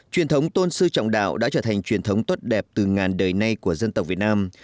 truyền thống tôn sư trọng đạo đã trở thành truyền thống tốt đẹp từ ngàn đời nay của dân tộc việt nam